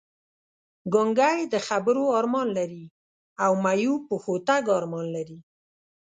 ګونګی د خبرو ارمان لري او معیوب پښو تګ ارمان لري!